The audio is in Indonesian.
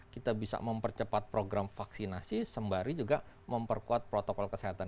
kita bisa mempercepat program vaksinasi sembari juga memperkuat protokol kesehatan